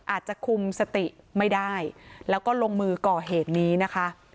อาจจะคุมสติไม่ได้แล้วก็ลงมือก่อเหตุนี้นะคะ